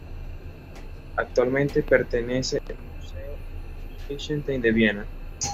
Actualmente pertenece al Museo Liechtenstein de Viena.